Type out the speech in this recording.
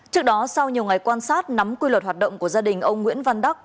trước đó sau nhiều ngày quan sát nắm quy luật hoạt động của gia đình ông nguyễn văn đắc